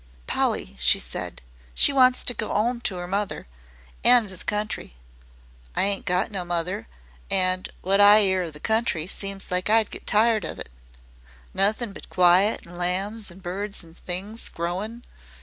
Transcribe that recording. "Polly," she said, "she wants to go 'ome to 'er mother an' to the country. I ain't got no mother an' wot I 'ear of the country seems like I'd get tired of it. Nothin' but quiet an' lambs an' birds an' things growin.'